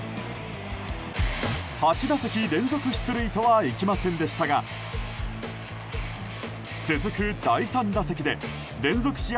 ８打席連続出塁とはいきませんでしたが続く第３打席で連続試合